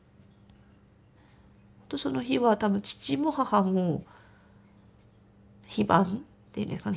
その日は多分父も母も非番って言うんですかね